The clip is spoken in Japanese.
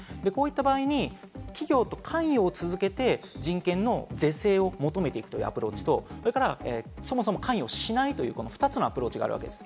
こういった場合に企業と関与を続けて、人権の是正を求めていくというアプローチと、そもそも関与しないという２つのアプローチがあるわけです。